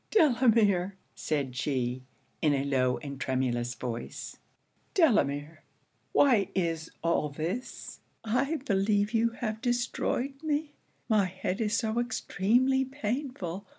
'Delamere,' said she, in a low and tremulous voice, 'Delamere, why is all this? I believe you have destroyed me; my head is so extremely painful.